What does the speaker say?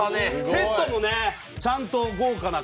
セットもねちゃんと豪華な感じに。